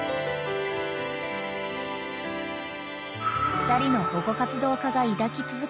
［２人の保護活動家が抱き続けた後悔］